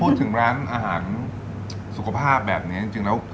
พูดถึงร้านอาหารสุขภาพแบบนี้จริงแล้ว